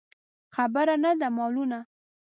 خبره نه ده مالونه.